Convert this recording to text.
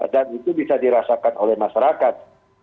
dan itu bisa dirasakan oleh masyarakat